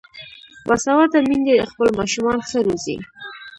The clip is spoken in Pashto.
باسواده میندې خپل ماشومان ښه روزي.